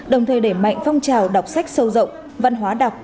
đồng thời đẩy mạnh phong trào đọc sách sâu rộng văn hóa đọc